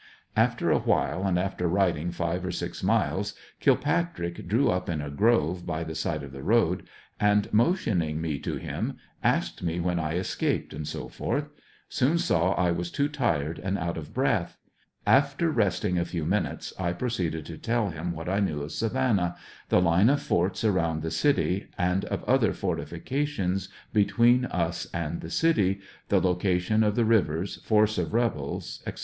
After a while and after riding five or six miles, Kilpatrick drew up in a grove by the side of the road and mo tioning me to him, asked me when I escaped, etc. Soon saw I was too tired and out of breath. After resting a few minutes I proceeded to tell him what I knew of Savannah, the line of forts around the city, and of other fortifications between us and the city, the location of the rivers, force of rebels, etc.